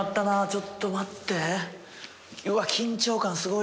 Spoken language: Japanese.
ちょっと待って。